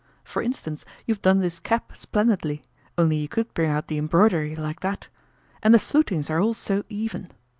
"For instance, you've done this cap splendidly, only you could bring out the embroidery like that. And the flutings are all so even.